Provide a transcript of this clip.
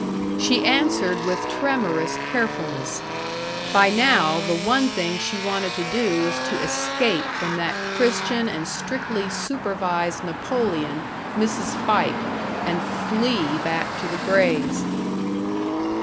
She answered with tremorous carefulness. By now, the one thing that she wanted to do was to escape from that Christian and strictly supervised Napoleon, Mrs. Fike, and flee back to the Grays.